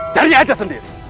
cari aja sendiri